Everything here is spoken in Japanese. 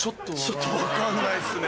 ちょっと分かんないっすね。